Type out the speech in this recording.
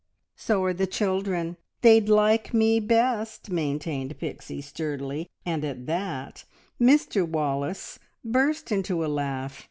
"So are the children. They'd like me best!" maintained Pixie sturdily, and at that Mr Wallace burst into a laugh.